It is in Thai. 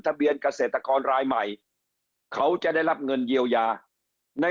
ทะเบียนเกษตรกรรายใหม่เขาจะได้รับเงินเยียวยาใน